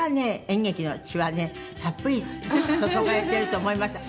演劇の血はねたっぷり注がれていると思いました。